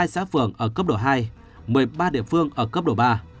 một trăm linh hai xã phường ở cấp độ hai một mươi ba địa phương ở cấp độ ba